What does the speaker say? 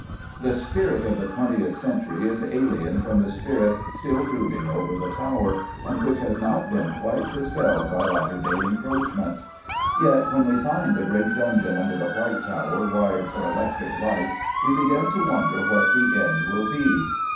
The spirit of the twentieth century is alien from the spirit still brooding over the Tower, and which has not been quite dispelled by latter day encroachments. Yet, when we find the great dungeon under the White Tower wired for electric light, we begin to wonder what the end will be.